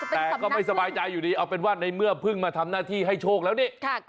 แต่ก็ไม่สบายใจอยู่ดีเอาเป็นว่าในเมื่อเพิ่งมาทำหน้าที่ให้โชคแล้วนี่